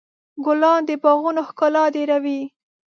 ګلان د باغونو ښکلا ډېروي.